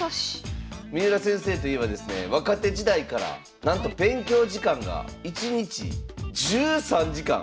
三浦先生といえばですね若手時代からなんと勉強時間が１日１３時間。